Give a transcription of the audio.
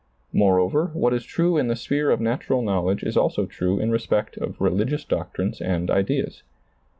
Moreover, what is true in the sphere of natural knowledge is also true in respect of religious doctrines and ideas.